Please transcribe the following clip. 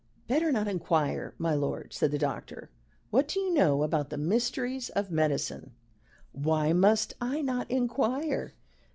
"Better not inquire, my lord," said the doctor. "What do you know about the mysteries of medicine?" "Why must I not inquire?"